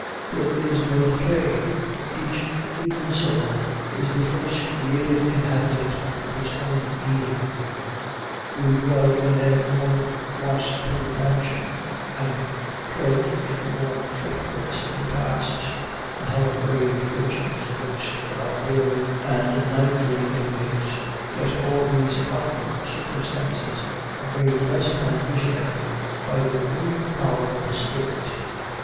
There is no decay. Each human soul is the first created inhabitant of its own Eden. We dwell in an old moss covered mansion and tread in the worn footprints of the past and have a gray clergyman's ghost for our daily and nightly inmate, yet all these outward circumstances are made less than visionary by the renewing power of the spirit.